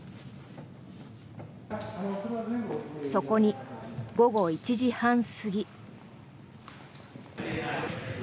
そこに、午後１時半過ぎ。